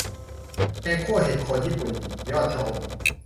แกงคั่วเห็ดโคนญี่ปุ่นยอดชะอม